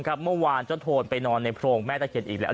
เมื่อวานเจ้าโทนไปนอนในโพรงแม่ตะเคียนอีกแล้ว